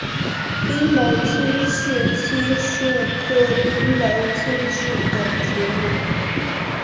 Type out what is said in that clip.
槟榔青是漆树科槟榔青属的植物。